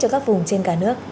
cho các vùng trên cả nước